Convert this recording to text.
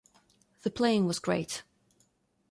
The playing was great.